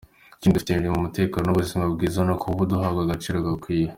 Ikindi dufite imirimo ,umutekano n’ubuzima bwiza no kuba ubu duhabwa agaciro gakwiye.